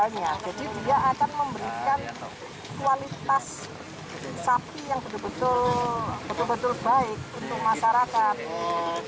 jadi dia akan memberikan kualitas sapi yang betul betul baik untuk masyarakat